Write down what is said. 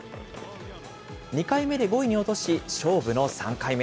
２回目で５位に落とし、勝負の３回目。